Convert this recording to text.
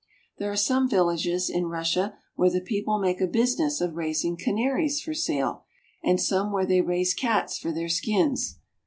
There are some villages in Russia where the people make a business of raising canaries for sale, and some where they raise cats for their skins.